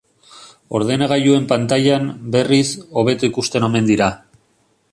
Ordenagailuen pantailan, berriz, hobeto ikusten omen dira.